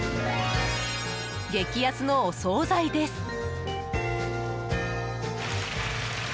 激安のお総菜です。